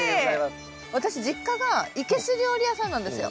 私実家が生けす料理屋さんなんですよ。